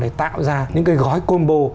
để tạo ra những cái gói combo